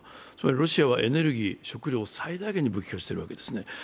ロシアはエネルギー、食料を最大限に武器化しているわけですね。